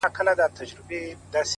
شعار خو نه لرم له باده سره شپې نه كوم؛